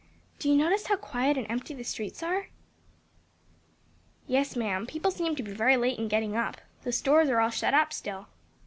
Do you notice how quiet and empty the streets are?" "Yes, ma'am; people seem to be very late in getting up. The stores are all shut up still."